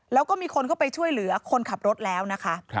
แล้วก็มีคนเข้าไปช่วยเหลือคนขับรถแล้วนะคะ